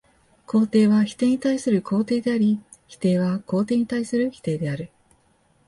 肯定は否定に対する肯定であり、否定は肯定に対する否定である。